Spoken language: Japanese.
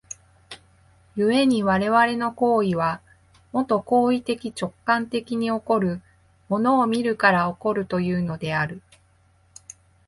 故に我々の行為は、もと行為的直観的に起こる、物を見るから起こるというのである。